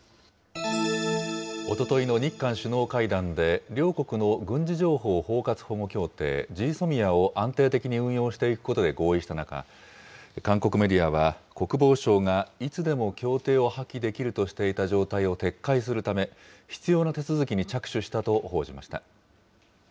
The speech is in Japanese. おとといの日韓首脳会談で、両国の軍事情報包括保護協定・ＧＳＯＭＩＡを安定的に運用していくことで合意した中、韓国メディアは、国防省がいつでも協定を破棄できるとしていた状態を撤回するため、必要な手続きに着手したと報じました。